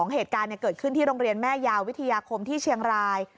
เหตุการณ์เกิดขึ้นที่โรงเรียนแม่ยาววิทยาคมที่เชียงราย